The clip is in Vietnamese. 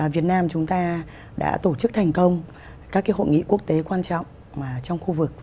việt nam chúng ta đã tổ chức thành công các hội nghị quốc tế quan trọng trong khu vực